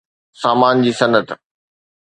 سامان جي صنعت